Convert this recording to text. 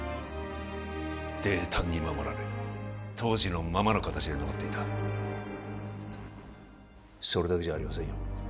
泥炭に守られ当時のままの形で残っていたそれだけじゃありませんよ